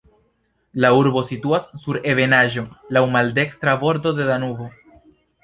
La urbo situas sur ebenaĵo, laŭ maldekstra bordo de Danubo.